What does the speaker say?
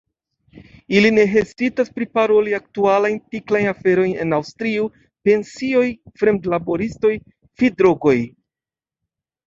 Ili ne hezitas priparoli aktualajn tiklajn aferojn en Aŭstrio: pensioj, fremdlaboristoj, fidrogoj.